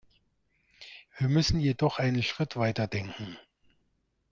Wir müssen jedoch einen Schritt weiter denken.